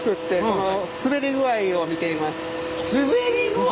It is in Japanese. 滑り具合？